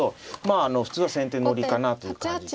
あの普通は先手乗りかなという感じです。